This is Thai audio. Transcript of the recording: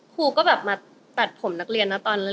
ครูก็แบบมาตัดผมนักเรียนนะตอนนั้น